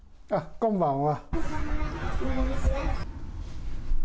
こんばんは。